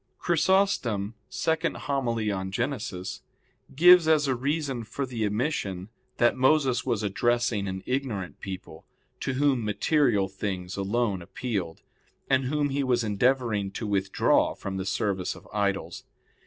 Chrysostom [*Hom. ii in Genes.] gives as a reason for the omission that Moses was addressing an ignorant people, to whom material things alone appealed, and whom he was endeavoring to withdraw from the service of idols.